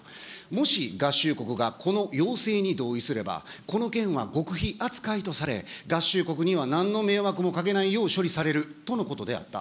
もし合衆国がこの要請に同意すれば、この件は極秘扱いとされ、合衆国にはなんの迷惑もかけないよう処理されるとのことであった。